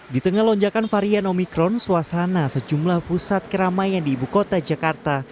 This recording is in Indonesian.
di tengah lonjakan varian omicron suasana sejumlah pusat keramai yang di ibu kota jakarta